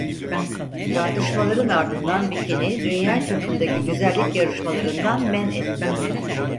Tartışmaların ardından bikini dünya çapındaki güzellik yarışmalarından men edildi.